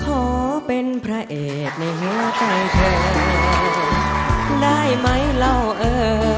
ขอเป็นพระเอกในหัวใจเธอได้ไหมเล่าเออ